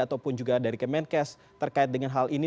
ataupun juga dari kemenkes terkait dengan hal ini